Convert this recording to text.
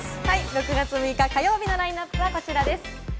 ６月６日火曜日のラインナップです。